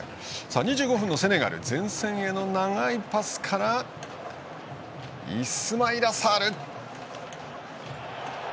２５分のセネガル前線への長いパスからイスマイラ・サール！